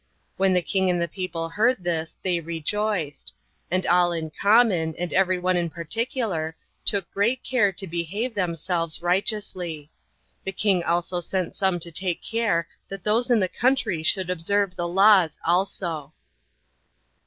When the king and the people heard this, they rejoiced; and all in common, and every one in particular, took great care to behave themselves righteously. The king also sent some to take care that those in the country should observe the laws also.